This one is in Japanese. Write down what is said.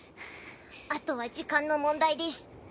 あとは時間の問題です。